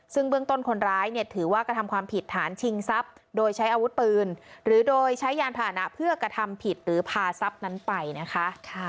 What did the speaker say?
ซึ่งเบื้องต้นคนร้ายเนี่ยถือว่ากระทำความผิดฐานชิงทรัพย์โดยใช้อาวุธปืนหรือโดยใช้ยานผ่านะเพื่อกระทำผิดหรือพาทรัพย์นั้นไปนะคะ